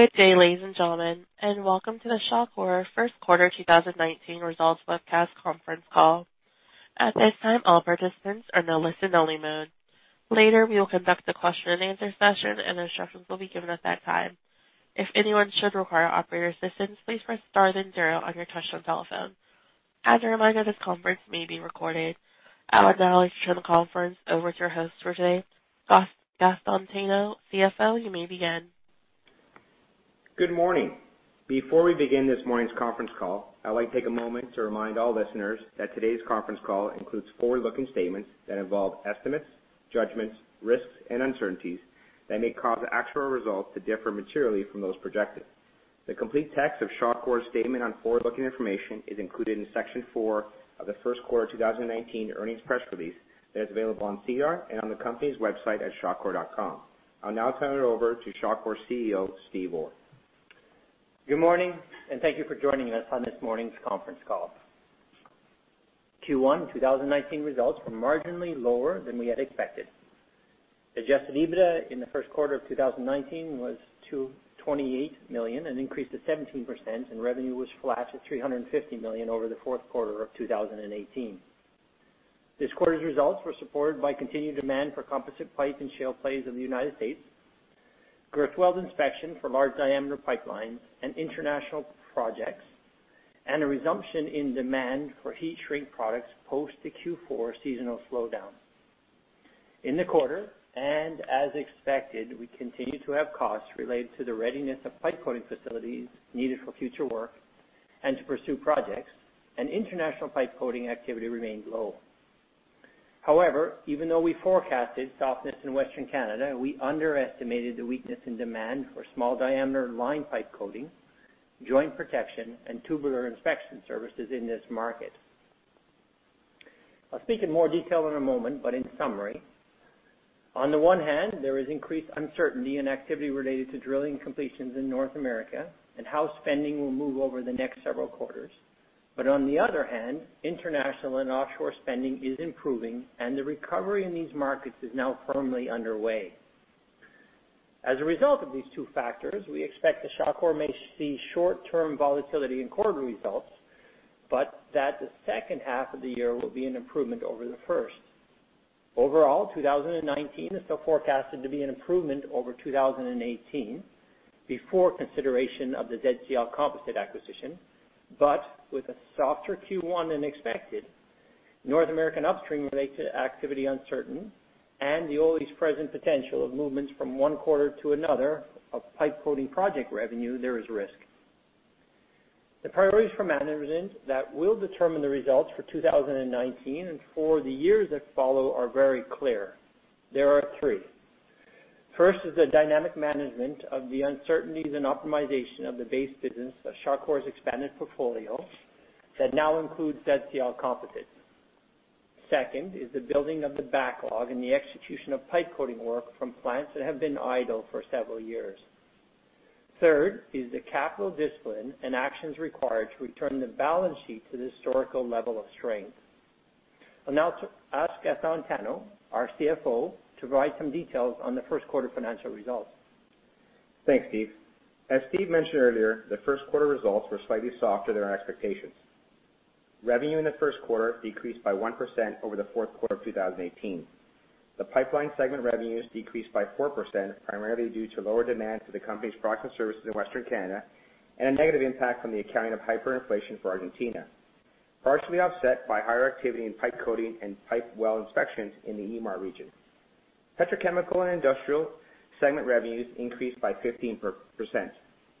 Good day, ladies and gentlemen, and welcome to the Shawcor First Quarter 2019 Results Webcast Conference Call. At this time, all participants are in a listen-only mode. Later, we will conduct a question-and-answer session, and instructions will be given at that time. If anyone should require operator assistance, please press star then zero on your touchtone telephone. As a reminder, this conference may be recorded. I would now like to turn the conference over to your host for today, Gaston Tano, CFO, you may begin. Good morning. Before we begin this morning's conference call, I would like to take a moment to remind all listeners that today's conference call includes forward-looking statements that involve estimates, judgments, risks, and uncertainties that may cause actual results to differ materially from those projected. The complete text of Shawcor's statement on forward-looking information is included in Section Four of the first quarter of 2019 earnings press release that is available on SEDAR and on the company's website at shawcor.com. I'll now turn it over to Shawcor's CEO, Steve Orr. Good morning, and thank you for joining us on this morning's conference call. Q1 2019 results were marginally lower than we had expected. Adjusted EBITDA in the first quarter of 2019 was 28 million, an increase of 17%, and revenue was flat at 350 million over the fourth quarter of 2018. This quarter's results were supported by continued demand for composite pipe and shale plays in the United States, girth weld inspection for large-diameter pipelines and international projects, and a resumption in demand for heat shrink products post the Q4 seasonal slowdown. In the quarter, and as expected, we continued to have costs related to the readiness of pipe coating facilities needed for future work and to pursue projects, and international pipe coating activity remained low. However, even though we forecasted softness in Western Canada, we underestimated the weakness in demand for small-diameter line pipe coating, joint protection, and tubular inspection services in this market. I'll speak in more detail in a moment, but in summary, on the one hand, there is increased uncertainty in activity related to drilling completions in North America and how spending will move over the next several quarters. But on the other hand, international and offshore spending is improving, and the recovery in these markets is now firmly underway. As a result of these two factors, we expect that Shawcor may see short-term volatility in quarter results, but that the second half of the year will be an improvement over the first. Overall, 2019 is still forecasted to be an improvement over 2018 before consideration of the ZCL Composites acquisition, but with a softer Q1 than expected, North American upstream-related activity uncertain, and the always-present potential of movements from one quarter to another of pipe coating project revenue, there is risk. The priorities for management that will determine the results for 2019 and for the years that follow are very clear. There are three. First is the dynamic management of the uncertainties and optimization of the base business of Shawcor's expanded portfolio that now includes ZCL Composites. Second is the building of the backlog and the execution of pipe coating work from plants that have been idle for several years. Third is the capital discipline and actions required to return the balance sheet to the historical level of strength. I'll now ask Gaston Tano, our CFO, to provide some details on the first quarter financial results. Thanks, Steve. As Steve mentioned earlier, the first quarter results were slightly softer than our expectations. Revenue in the first quarter decreased by 1% over the fourth quarter of 2018. The pipeline segment revenues decreased by 4%, primarily due to lower demand to the company's products and services in Western Canada and a negative impact from the accounting of hyperinflation for Argentina, partially offset by higher activity in pipe coating and pipe weld inspections in the EMAR region. Petrochemical and industrial segment revenues increased by 15%,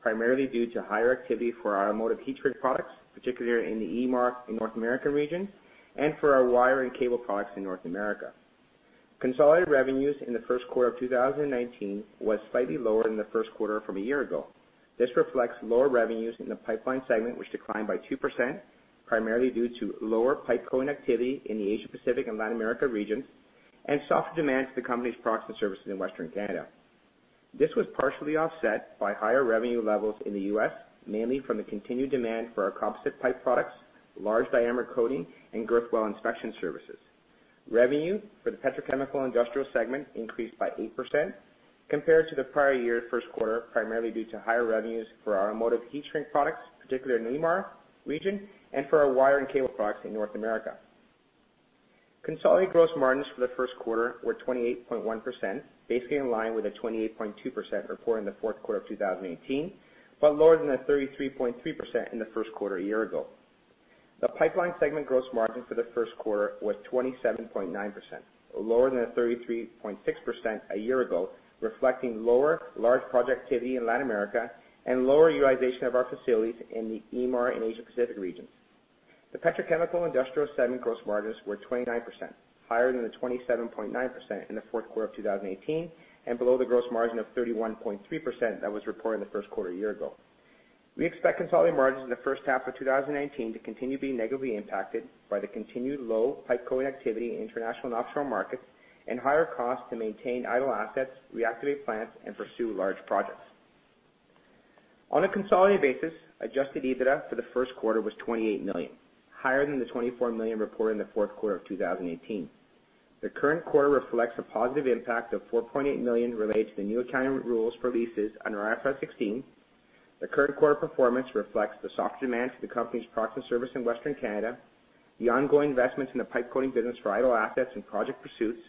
primarily due to higher activity for our automotive heat shrink products, particularly in the EMAR and North America region and for our wire and cable products in North America. Consolidated revenues in the first quarter of 2019 was slightly lower than the first quarter from a year ago. This reflects lower revenues in the pipeline segment, which declined by 2%, primarily due to lower pipe coating activity in the Asia Pacific and Latin America regions and softer demand for the company's products and services in Western Canada. This was partially offset by higher revenue levels in the U.S., mainly from the continued demand for our composite pipe products, large-diameter coating, and girth weld inspection services. Revenue for the petrochemical industrial segment increased by 8% compared to the prior year's first quarter, primarily due to higher revenues for our automotive heat shrink products, particularly in the EMAR region, and for our wire and cable products in North America. Consolidated gross margins for the first quarter were 28.1%, basically in line with the 28.2% reported in the fourth quarter of 2018, but lower than the 33.3% in the first quarter a year ago. The pipeline segment gross margin for the first quarter was 27.9%, lower than the 33.6% a year ago, reflecting lower large project activity in Latin America and lower utilization of our facilities in the EMAR and Asia Pacific regions. The petrochemical industrial segment gross margins were 29%, higher than the 27.9% in the fourth quarter of 2018, and below the gross margin of 31.3% that was reported in the first quarter a year ago. We expect consolidated margins in the first half of 2019 to continue to be negatively impacted by the continued low pipe coating activity in international and offshore markets and higher costs to maintain idle assets, reactivate plants, and pursue large projects. On a consolidated basis, adjusted EBITDA for the first quarter was 28 million, higher than the 24 million reported in the fourth quarter of 2018. The current quarter reflects a positive impact of 4.8 million related to the new accounting rules for leases under IFRS 16. The current quarter performance reflects the soft demand for the company's products and service in Western Canada, the ongoing investments in the pipe coating business for idle assets and project pursuits,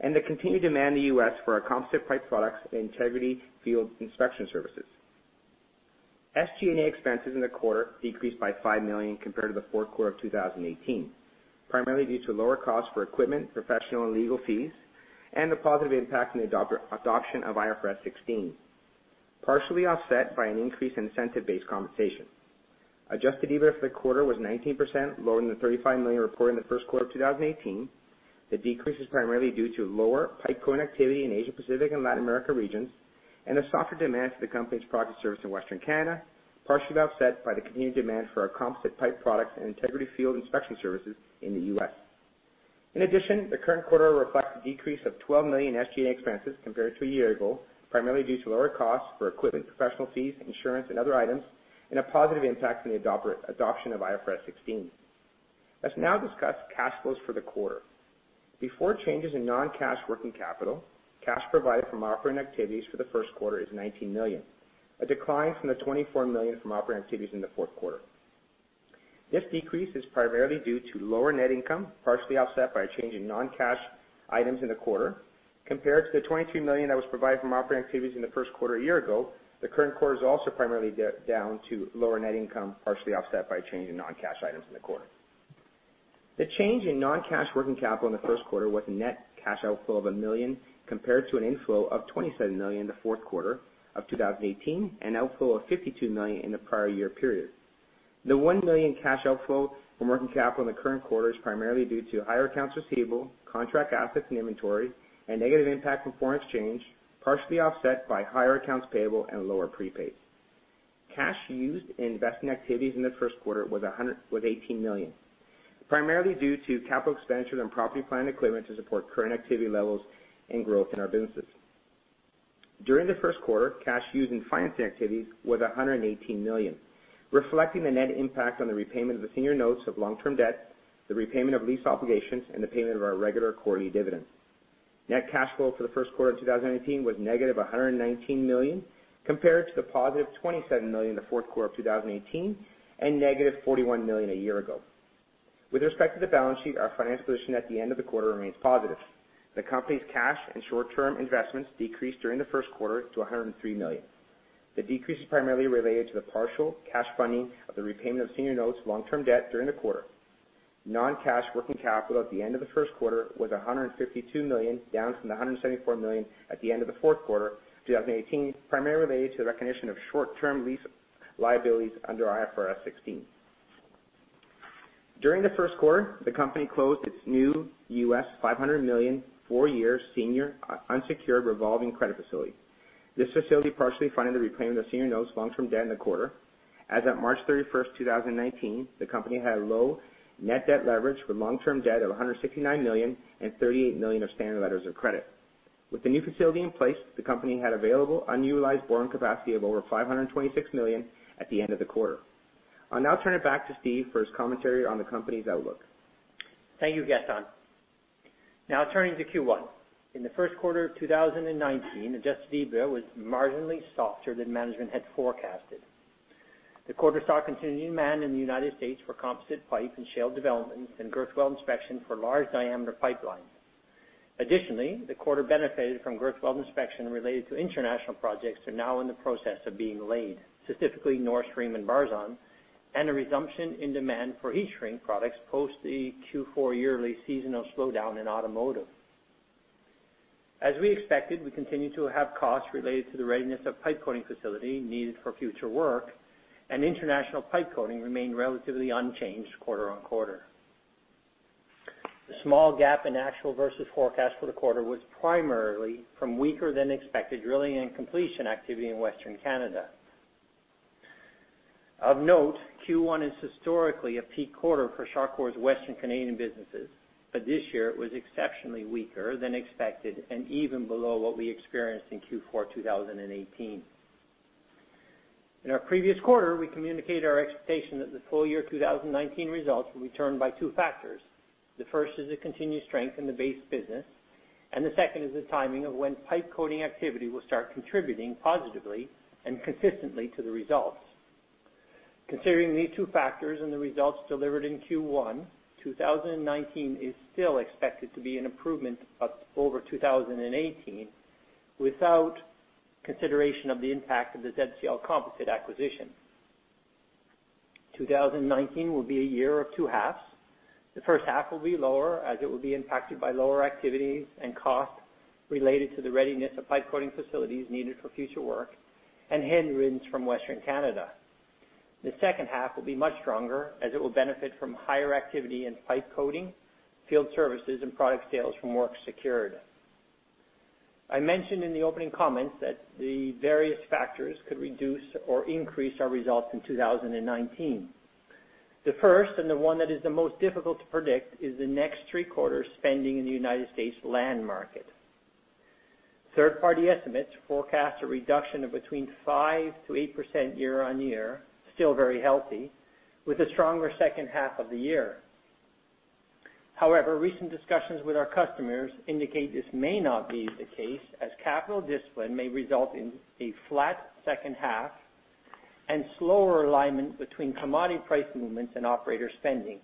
and the continued demand in the U.S. for our composite pipe products and integrity field inspection services. SG&A expenses in the quarter decreased by 5 million compared to the fourth quarter of 2018, primarily due to lower costs for equipment, professional and legal fees, and the positive impact in the adoption of IFRS 16, partially offset by an increase in incentive-based compensation. Adjusted EBITDA for the quarter was 19% lower than the 35 million reported in the first quarter of 2018. The decrease is primarily due to lower pipe coating activity in Asia Pacific and Latin America regions, and a softer demand for the company's product service in Western Canada, partially offset by the continued demand for our composite pipe products and integrity field inspection services in the U.S. In addition, the current quarter reflects a decrease of 12 million in SG&A expenses compared to a year ago, primarily due to lower costs for equipment, professional fees, insurance and other items, and a positive impact from the adoption of IFRS 16. Let's now discuss cash flows for the quarter. Before changes in non-cash working capital, cash provided from operating activities for the first quarter is 19 million, a decline from the 24 million from operating activities in the fourth quarter. This decrease is primarily due to lower net income, partially offset by a change in non-cash items in the quarter. Compared to the 22 million that was provided from operating activities in the first quarter a year ago, the current quarter is also primarily down to lower net income, partially offset by a change in non-cash items in the quarter. The change in non-cash working capital in the first quarter was a net cash outflow of 1 million, compared to an inflow of 27 million in the fourth quarter of 2018, and an outflow of 52 million in the prior year period. The 1 million cash outflow from working capital in the current quarter is primarily due to higher accounts receivable, contract assets, and inventory, and negative impact from foreign exchange, partially offset by higher accounts payable and lower prepaids. Cash used in investing activities in the first quarter was 18 million, primarily due to capital expenditures and property, plant, and equipment to support current activity levels and growth in our businesses. During the first quarter, cash used in financing activities was 118 million, reflecting the net impact on the repayment of the senior notes of long-term debt, the repayment of lease obligations, and the payment of our regular quarterly dividends. Net cash flow for the first quarter of 2019 was - 119 million, compared to the +27 million in the fourth quarter of 2018 and - 41 million a year ago. With respect to the balance sheet, our financial position at the end of the quarter remains positive. The company's cash and short-term investments decreased during the first quarter to 103 million. The decrease is primarily related to the partial cash funding of the repayment of senior notes long-term debt during the quarter. Non-cash working capital at the end of the first quarter was 152 million, down from the 174 million at the end of the fourth quarter 2018, primarily related to the recognition of short-term lease liabilities under IFRS 16. During the first quarter, the company closed its new U.S. CAD 500 million, four-year senior unsecured revolving credit facility. This facility partially funded the repayment of senior notes long-term debt in the quarter. As of March 31, 2019, the company had a low net debt leverage with long-term debt of 169 million and 38 million of standard letters of credit. With the new facility in place, the company had available unused borrowing capacity of over 526 million at the end of the quarter. I'll now turn it back to Steve for his commentary on the company's outlook. Thank you, Gaston. Now turning to Q1. In the first quarter of 2019, adjusted EBITDA was marginally softer than management had forecasted. The quarter saw continued demand in the United States for composite pipe and shale development and girth weld inspection for large-diameter pipelines. Additionally, the quarter benefited from girth weld inspection related to international projects that are now in the process of being laid, specifically Nord Stream and Barzan, and a resumption in demand for heat shrink products post the Q4 yearly seasonal slowdown in automotive. As we expected, we continued to have costs related to the readiness of pipe coating facility needed for future work, and international pipe coating remained relatively unchanged quarter-on-quarter. The small gap in actual versus forecast for the quarter was primarily from weaker than expected drilling and completion activity in Western Canada. Of note, Q1 is historically a peak quarter for Shawcor's Western Canadian businesses, but this year it was exceptionally weaker than expected and even below what we experienced in Q4 2018. In our previous quarter, we communicated our expectation that the full year 2019 results will be driven by two factors. The first is the continued strength in the base business, and the second is the timing of when pipe coating activity will start contributing positively and consistently to the results. Considering these two factors and the results delivered in Q1, 2019 is still expected to be an improvement over 2018, without consideration of the impact of the ZCL Composites acquisition. 2019 will be a year of two halves. The first half will be lower, as it will be impacted by lower activities and costs related to the readiness of pipe coating facilities needed for future work and headwinds from Western Canada. The second half will be much stronger, as it will benefit from higher activity in pipe coating, field services, and product sales from work secured. I mentioned in the opening comments that the various factors could reduce or increase our results in 2019. The first, and the one that is the most difficult to predict, is the next three quarters spending in the United States land market. Third-party estimates forecast a reduction of between 5%-8% year-on-year, still very healthy, with a stronger second half of the year. However, recent discussions with our customers indicate this may not be the case, as capital discipline may result in a flat second half and slower alignment between commodity price movements and operator spending,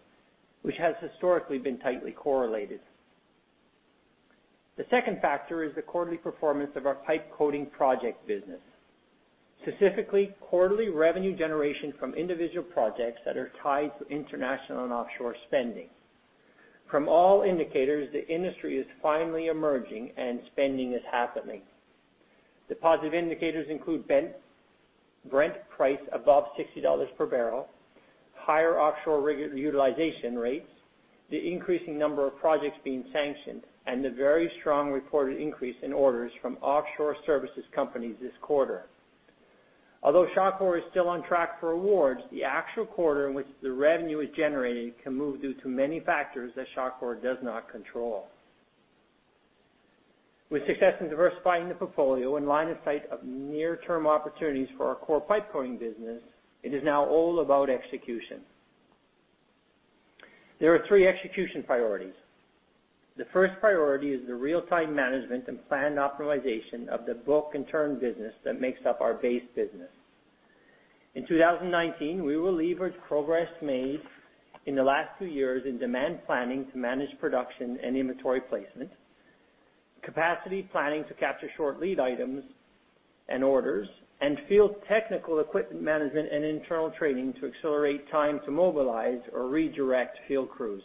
which has historically been tightly correlated. The second factor is the quarterly performance of our pipe coating project business. Specifically, quarterly revenue generation from individual projects that are tied to international and offshore spending. From all indicators, the industry is finally emerging, and spending is happening. The positive indicators include Brent price above 60 dollars per barrel, higher offshore rig utilization rates, the increasing number of projects being sanctioned, and the very strong reported increase in orders from offshore services companies this quarter. Although Shawcor is still on track for awards, the actual quarter in which the revenue is generated can move due to many factors that Shawcor does not control. With success in diversifying the portfolio and line of sight of near-term opportunities for our core pipe coating business, it is now all about execution. There are three execution priorities. The first priority is the real-time management and planned optimization of the book and turn business that makes up our base business. In 2019, we will leverage progress made in the last two years in demand planning to manage production and inventory placement, capacity planning to capture short lead items and orders, and field technical equipment management and internal training to accelerate time to mobilize or redirect field crews.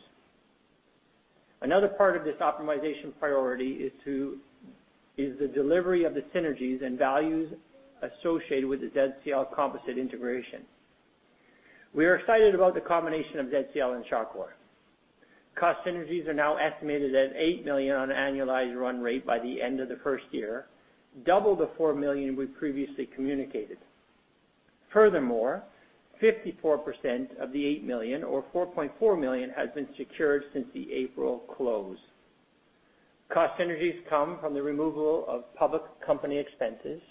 Another part of this optimization priority is the delivery of the synergies and values associated with the ZCL Composites integration. We are excited about the combination of ZCL and Shawcor. Cost synergies are now estimated at 8 million on an annualized run rate by the end of the first year, double the 4 million we previously communicated. Furthermore, 54% of the 8 million, or 4.4 million, has been secured since the April close. Cost synergies come from the removal of public company expenses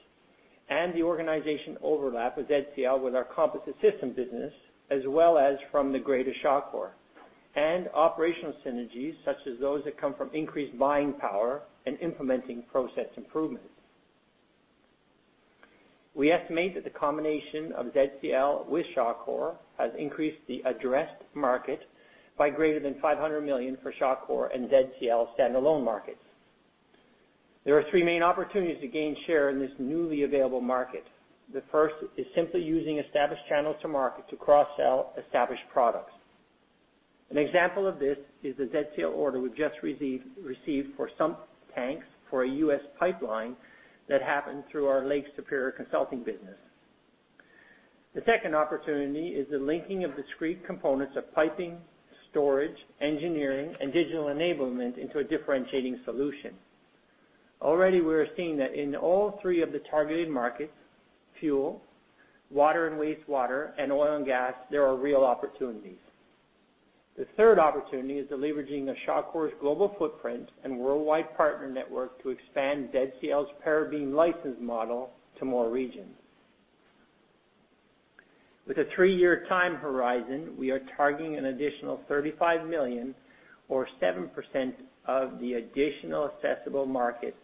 and the organization overlap with ZCL with our composite systems business, as well as from the greater Shawcor, and operational synergies such as those that come from increased buying power and implementing process improvements. We estimate that the combination of ZCL with Shawcor has increased the addressed market by greater than 500 million for Shawcor and ZCL standalone markets. There are three main opportunities to gain share in this newly available market. The first is simply using established channels to market to cross-sell established products. An example of this is the ZCL order we just received for sump tanks for a U.S. pipeline that happened through our Lake Superior Consulting business. The second opportunity is the linking of discrete components of piping, storage, engineering, and digital enablement into a differentiating solution. Already, we are seeing that in all three of the targeted markets, fuel, water and wastewater, and oil and gas, there are real opportunities. The third opportunity is the leveraging of Shawcor's global footprint and worldwide partner network to expand ZCL's Parabeam license model to more regions. With a three-year time horizon, we are targeting an additional 35 million, or 7%, of the additional accessible markets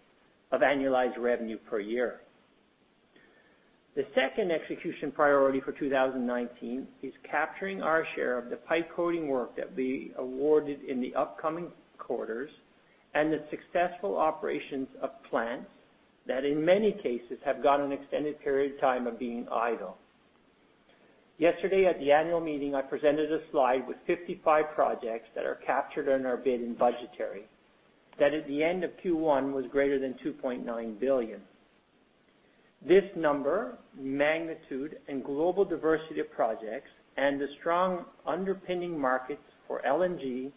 of annualized revenue per year. The second execution priority for 2019 is capturing our share of the pipe coating work that will be awarded in the upcoming quarters and the successful operations of plants that, in many cases, have got an extended period of time of being idle. Yesterday, at the annual meeting, I presented a slide with 55 projects that are captured on our bid and budgetary, that at the end of Q1 was greater than 2.9 billion. This number, magnitude, and global diversity of projects, and the strong underpinning markets for LNG,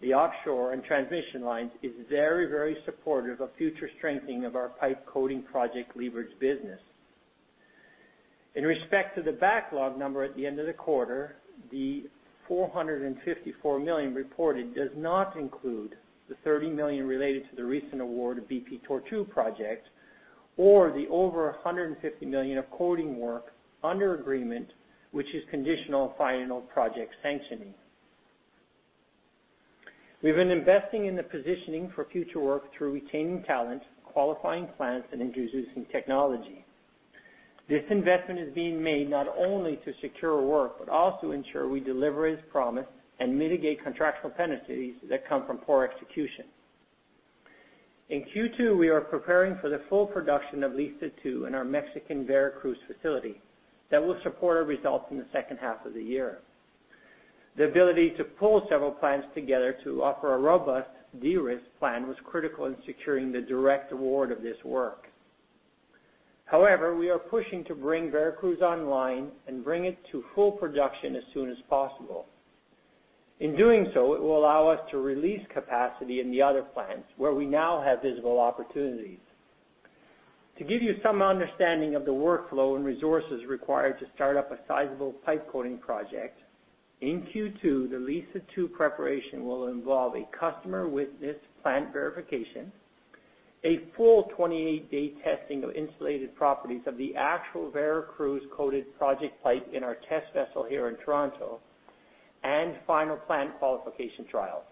the offshore, and transmission lines, is very, very supportive of future strengthening of our pipe coating project leverage business. In respect to the backlog number at the end of the quarter, the 454 million reported does not include the 30 million related to the recent award of BP Tortue project or the over 150 million of coating work under agreement, which is conditional on final project sanctioning. We've been investing in the positioning for future work through retaining talent, qualifying plants, and introducing technology. This investment is being made not only to secure work, but also ensure we deliver as promised and mitigate contractual penalties that come from poor execution. In Q2, we are preparing for the full production of Liza Phase 2 in our Mexican Veracruz facility that will support our results in the second half of the year. The ability to pull several plants together to offer a robust de-risk plan was critical in securing the direct award of this work. However, we are pushing to bring Veracruz online and bring it to full production as soon as possible. In doing so, it will allow us to release capacity in the other plants where we now have visible opportunities. To give you some understanding of the workflow and resources required to start up a sizable pipe coating project, in Q2, the Liza Phase 2 preparation will involve a customer witness plant verification, a full 28-day testing of insulated properties of the actual Veracruz coated project pipe in our test vessel here in Toronto, and final plant qualification trial.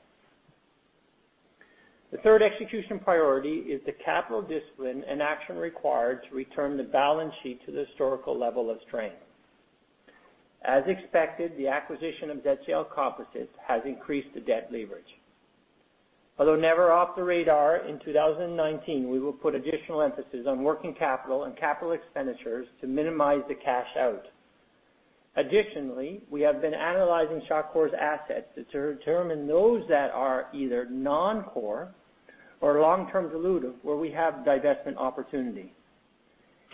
The third execution priority is the capital discipline and action required to return the balance sheet to the historical level of strength. As expected, the acquisition of ZCL Composites has increased the debt leverage. Although never off the radar, in 2019, we will put additional emphasis on working capital and capital expenditures to minimize the cash out. Additionally, we have been analyzing Shawcor's assets to determine those that are either non-core or long-term dilutive, where we have divestment opportunity.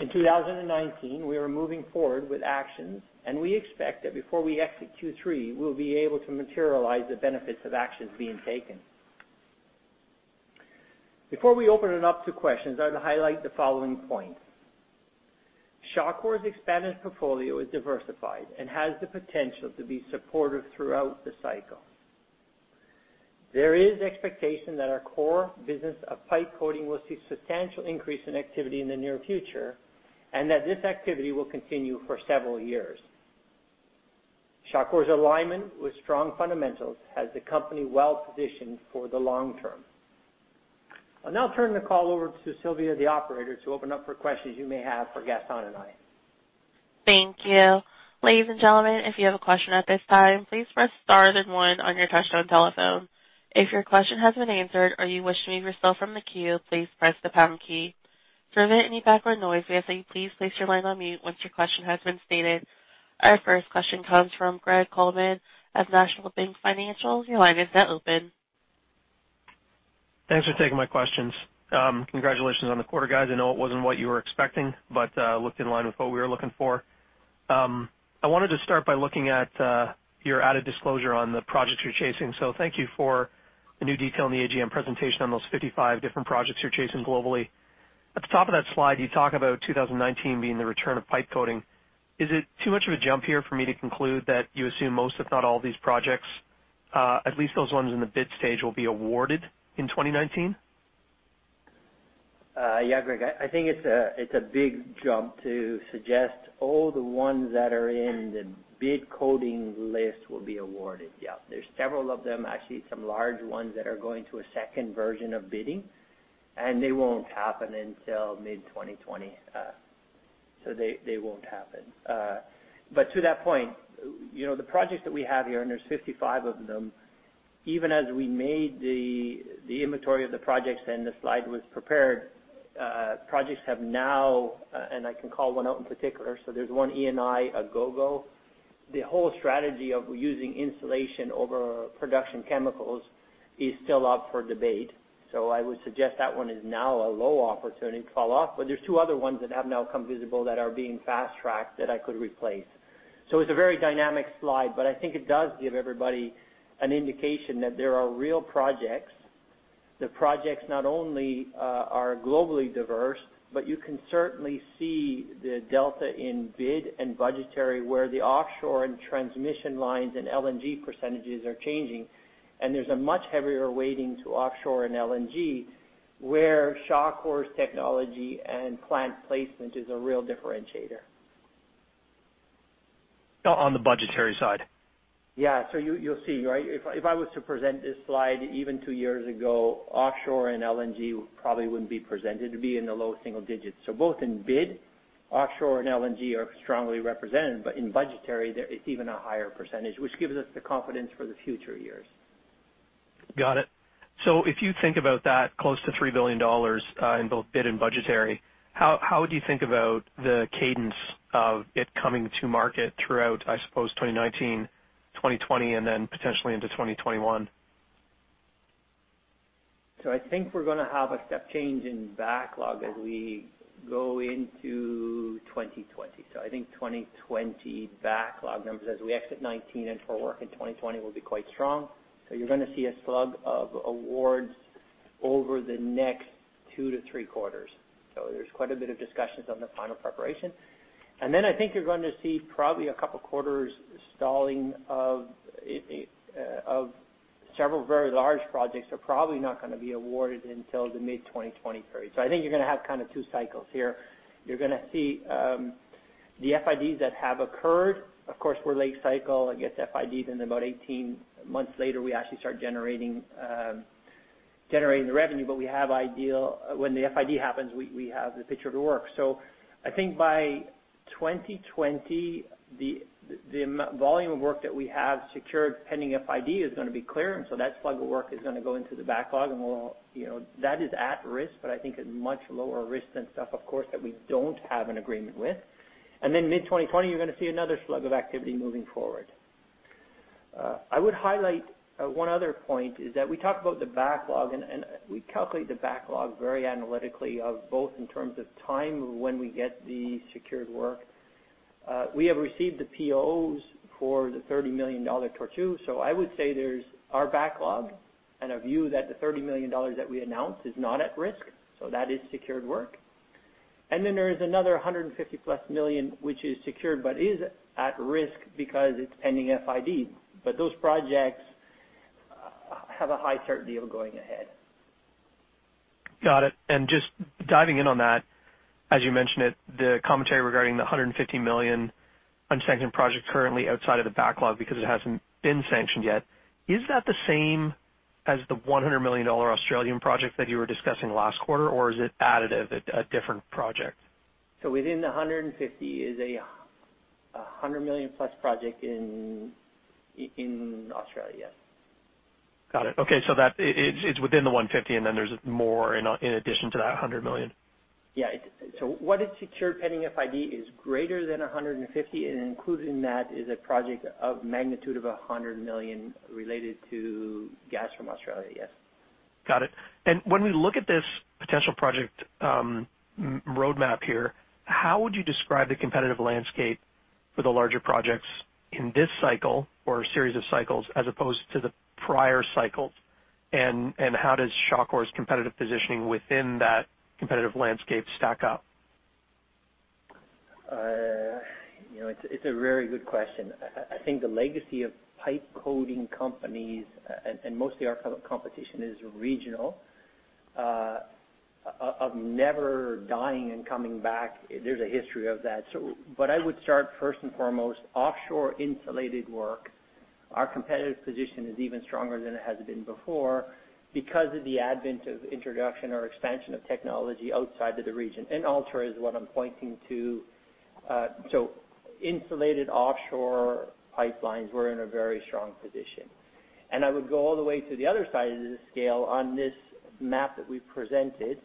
In 2019, we are moving forward with actions, and we expect that before we exit Q3, we'll be able to materialize the benefits of actions being taken. Before we open it up to questions, I would highlight the following points: Shawcor's expanded portfolio is diversified and has the potential to be supportive throughout the cycle. There is expectation that our core business of pipe coating will see substantial increase in activity in the near future, and that this activity will continue for several years. Shawcor's alignment with strong fundamentals has the company well-positioned for the long term. I'll now turn the call over to Sylvia, the operator, to open up for questions you may have for Gaston and I. Thank you. Ladies and gentlemen, if you have a question at this time, please press star then one on your touch-tone telephone. If your question has been answered or you wish to remove yourself from the queue, please press the pound key. To prevent any background noise, we ask that you please place your line on mute once your question has been stated. Our first question comes from Greg Colman of National Bank Financial. Your line is now open. Thanks for taking my questions. Congratulations on the quarter, guys. I know it wasn't what you were expecting, but looked in line with what we were looking for. I wanted to start by looking at your added disclosure on the projects you're chasing. So thank you for the new detail in the AGM presentation on those 55 different projects you're chasing globally. At the top of that slide, you talk about 2019 being the return of pipe coating. Is it too much of a jump here for me to conclude that you assume most, if not all, of these projects, at least those ones in the bid stage, will be awarded in 2019? Yeah, Greg, I think it's a big jump to suggest all the ones that are in the bid coating list will be awarded. Yeah, there's several of them, actually, some large ones that are going to a second version of bidding, and they won't happen until mid-2020. So they won't happen. But to that point, you know, the projects that we have here, and there's 55 of them, even as we made the inventory of the projects and the slide was prepared, projects have now, and I can call one out in particular, so there's one Eni, Agogo. The whole strategy of using insulation over production chemicals is still up for debate, so I would suggest that one is now a low opportunity to fall off. But there are two other ones that have now come visible that are being fast-tracked that I could replace. So it's a very dynamic slide, but I think it does give everybody an indication that there are real projects. The projects not only are globally diverse, but you can certainly see the delta in bid and budgetary, where the offshore and transmission lines and LNG percentages are changing. And there's a much heavier weighting to offshore and LNG, where Shawcor's technology and plant placement is a real differentiator. On the budgetary side? Yeah. So you'll see, right? If I was to present this slide even two years ago, offshore and LNG probably wouldn't be presented to be in the low single digits. So both in bid, offshore and LNG are strongly represented, but in budgetary, there is even a higher percentage, which gives us the confidence for the future years. Got it. So if you think about that, close to 3 billion dollars in both bid and budgetary, how would you think about the cadence of it coming to market throughout, I suppose, 2019, 2020, and then potentially into 2021? So I think we're gonna have a step change in backlog as we go into 2020. So I think 2020 backlog numbers, as we exit 2019 and for work in 2020, will be quite strong. So you're gonna see a slug of awards over the next two, three quarters. So there's quite a bit of discussions on the final preparation. And then I think you're going to see probably a couple quarters stalling of several very large projects are probably not gonna be awarded until the mid-2020 period. So I think you're gonna have kind of two cycles here. You're gonna see the FIDs that have occurred. Of course, we're late cycle, I get FIDs, and about 18 months later, we actually start generating the revenue. But we have. When the FID happens, we have the picture of the work. So I think by 2020, the volume of work that we have secured pending FID is gonna be clear, and so that slug of work is gonna go into the backlog. And we'll, you know, that is at risk, but I think a much lower risk than stuff, of course, that we don't have an agreement with. And then mid-2020, you're gonna see another slug of activity moving forward. I would highlight one other point, is that we talked about the backlog, and we calculate the backlog very analytically of both in terms of time, when we get the secured work. We have received the POs for the 30 million dollar Tortue. So I would say there's our backlog and a view that the 30 million dollars that we announced is not at risk, so that is secured work. Then there is another 150+ million, which is secured, but is at risk because it's pending FID. But those projects have a high certainty of going ahead. Got it. Just diving in on that, as you mentioned it, the commentary regarding the 150 million unsanctioned project currently outside of the backlog because it hasn't been sanctioned yet. Is that the same as the 100 million dollar Australian project that you were discussing last quarter, or is it additive, a different project? Within the 150 million is a 100 million-plus project in Australia. Got it. Okay. So that it's within the 150 million, and then there's more in addition to that 100 million? Yeah. So what is secured pending FID is greater than 150 million, and included in that is a project of magnitude of 100 million related to gas from Australia, yes. Got it. And when we look at this potential project, roadmap here, how would you describe the competitive landscape for the larger projects in this cycle or series of cycles as opposed to the prior cycles? And how does Shawcor's competitive positioning within that competitive landscape stack up? You know, it's a very good question. I think the legacy of pipe coating companies, and mostly our competition is regional, of never dying and coming back. There's a history of that. But I would start first and foremost, offshore insulated work. Our competitive position is even stronger than it has been before because of the advent of introduction or expansion of technology outside of the region, and Ultra is what I'm pointing to. So insulated offshore pipelines, we're in a very strong position. And I would go all the way to the other side of the scale on this map that we presented,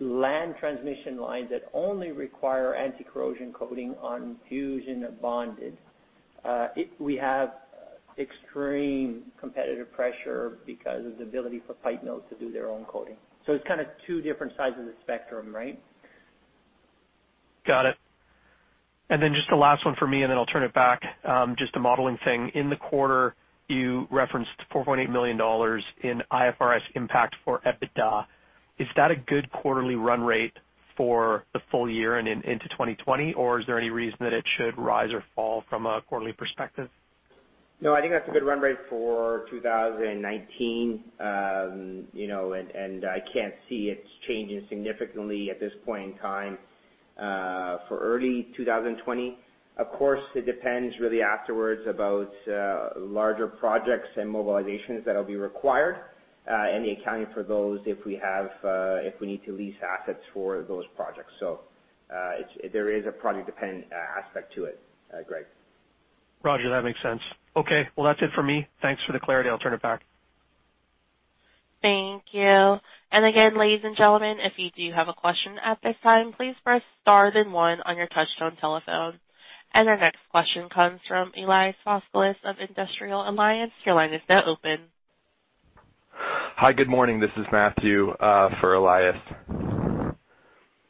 land transmission lines that only require anti-corrosion coating on fusion bonded. We have extreme competitive pressure because of the ability for pipe mills to do their own coating. It's kind of two different sides of the spectrum, right? Got it. And then just the last one for me, and then I'll turn it back. Just a modeling thing. In the quarter, you referenced 4.8 million dollars in IFRS impact for EBITDA. Is that a good quarterly run rate for the full year and into 2020, or is there any reason that it should rise or fall from a quarterly perspective? No, I think that's a good run rate for 2019. You know, and I can't see it changing significantly at this point in time for early 2020. Of course, it depends really afterwards about larger projects and mobilizations that will be required, and the accounting for those if we need to lease assets for those projects. So, it's a project-dependent aspect to it, Greg. Roger, that makes sense. Okay, well, that's it for me. Thanks for the clarity. I'll turn it back. Thank you. And again, ladies and gentlemen, if you do have a question at this time, please press star then one on your touchtone telephone. And our next question comes from Elias Foscolos of Industrial Alliance. Your line is now open. Hi, good morning. This is Matthew for Elias.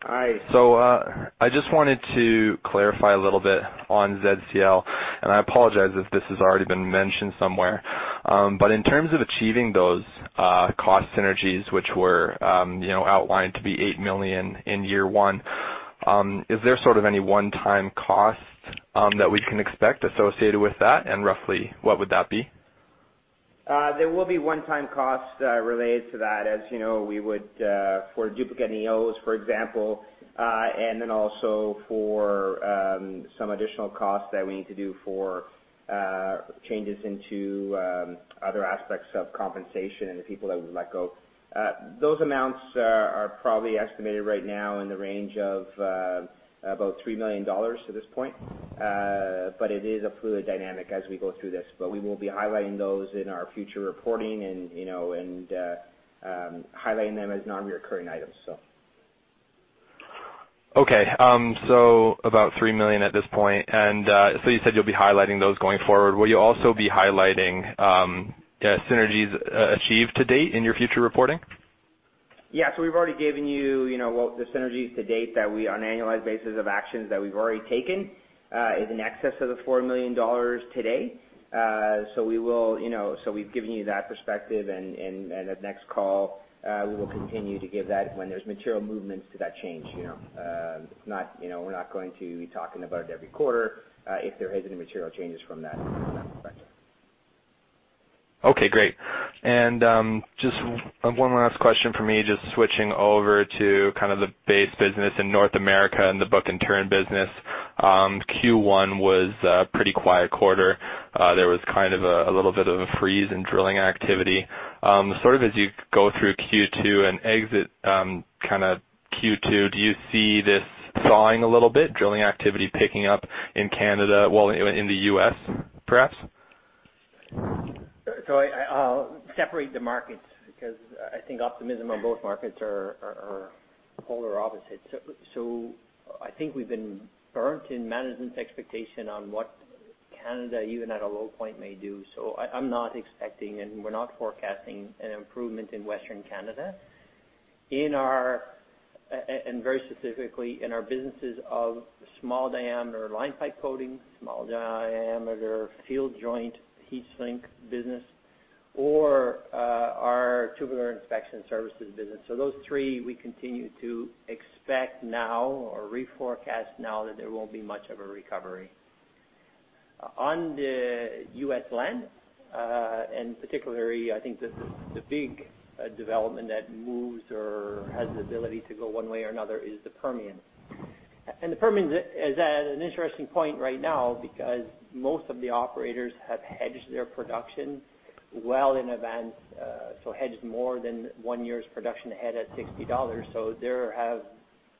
Hi. So, I just wanted to clarify a little bit on ZCL, and I apologize if this has already been mentioned somewhere. But in terms of achieving those, cost synergies, which were, you know, outlined to be 8 million in year one, is there sort of any one-time cost, that we can expect associated with that, and roughly what would that be? There will be one-time costs related to that. As you know, we would for duplicate EOs, for example, and then also for some additional costs that we need to do for changes into other aspects of compensation and the people that we let go. Those amounts are probably estimated right now in the range of about 3 million dollars to this point. But it is a fluid dynamic as we go through this. But we will be highlighting those in our future reporting and, you know, and highlighting them as non-recurring items, so. Okay, so about 3 million at this point. And, so you said you'll be highlighting those going forward. Will you also be highlighting synergies achieved to date in your future reporting? Yeah. So we've already given you, you know, what the synergies to date that we on an annualized basis of actions that we've already taken, in excess of 4 million dollars today. So we will, you know, so we've given you that perspective, and at next call, we will continue to give that when there's material movements to that change, you know? Not, you know, we're not going to be talking about it every quarter, if there isn't any material changes from that, from that perspective. Okay, great. And, just one last question for me, just switching over to kind of the base business in North America and the book-and-turn business. Q1 was a pretty quiet quarter. There was kind of a little bit of a freeze in drilling activity. Sort of as you go through Q2 and exit, kind of Q2, do you see this thawing a little bit, drilling activity picking up in Canada, well, in the U.S, perhaps? So, I'll separate the markets because I think optimism on both markets are polar opposites. So, I think we've been burnt in management's expectation on what Canada, even at a low point, may do. So, I'm not expecting, and we're not forecasting an improvement in Western Canada... in our and very specifically, in our businesses of small diameter line pipe coating, small diameter field joint heat shrink business, or our tubular inspection services business. So those three, we continue to expect now or reforecast now that there won't be much of a recovery. On the U.S. land and particularly, I think the big development that moves or has the ability to go one way or another is the Permian. The Permian is at an interesting point right now because most of the operators have hedged their production well in advance, so hedged more than one year's production ahead at 60 dollars. So they have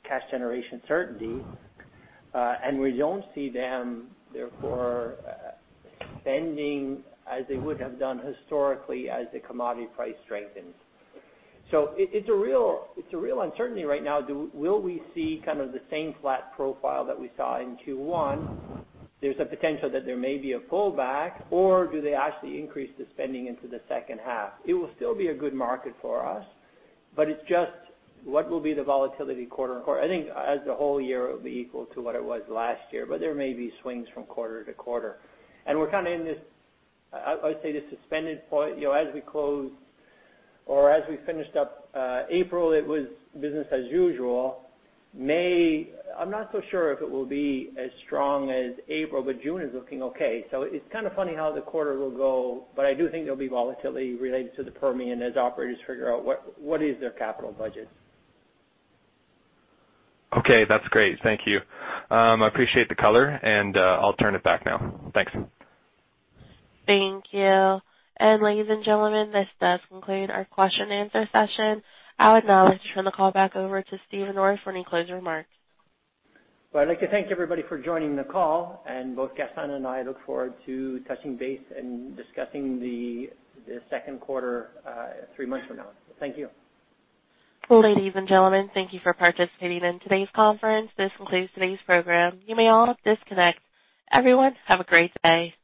cash generation certainty, and we don't see them, therefore, spending as they would have done historically as the commodity price strengthens. So it, it's a real, it's a real uncertainty right now. Will we see kind of the same flat profile that we saw in Q1? There's a potential that there may be a pullback, or do they actually increase the spending into the second half? It will still be a good market for us, but it's just what will be the volatility quarter-over-quarter. I think as the whole year, it will be equal to what it was last year, but there may be swings from quarter to quarter. We're kind of in this, I would say, this suspended point. You know, as we close or as we finished up April, it was business as usual. May, I'm not so sure if it will be as strong as April, but June is looking okay. It's kind of funny how the quarter will go, but I do think there'll be volatility related to the Permian as operators figure out what is their capital budget. Okay, that's great. Thank you. I appreciate the color, and I'll turn it back now. Thanks. Thank you. Ladies and gentlemen, this does conclude our question and answer session. I would now like to turn the call back over to Steve Orr for any closing remarks. Well, I'd like to thank everybody for joining the call, and both Gaston and I look forward to touching base and discussing the second quarter three months from now. Thank you. Well, ladies and gentlemen, thank you for participating in today's conference. This concludes today's program. You may all disconnect. Everyone, have a great day.